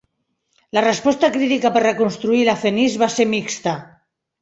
La resposta crítica per reconstruir La Fenice va ser mixta.